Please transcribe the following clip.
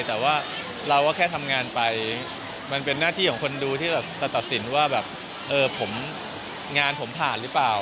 แต่ว่าเราก็แค่ทำงานไปมันเป็นหน้าที่ของคนดูที่จะตัดสินว่าแบบงานผมผ่านหรือเปล่า